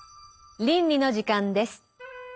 倫理の時間です。